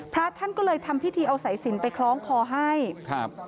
พระท่านก็เลยทำพิธีเอาสายสินไปคล้องคอให้ครับ